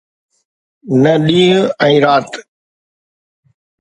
نه ڏينهن ۽ رات